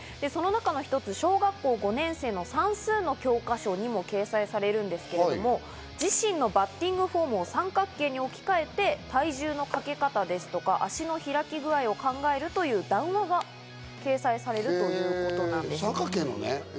その中の一つ、小学校５年生の算数の教科書にも掲載されるんですけど、自身のバッティングフォームを三角形に置きかえて、体重のかけ方ですとか、足の開き具合を考えるという談話が掲載される予定だということです。